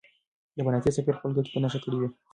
د فرانسې سفیر خپلې ګټې په نښه کړې وې.